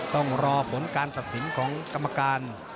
ต้องรอผลการตัดสินของกรรมการ